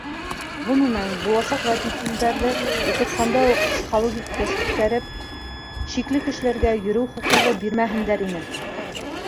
Ғөмүмән, буласаҡ водителдәрҙе уҡытҡанда уҡ психологик тест үткәреп, шикле кешеләргә йөрөү хоҡуғы бирмәһендәр ине.